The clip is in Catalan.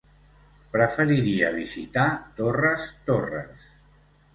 Preferiria visitar Torres Torres.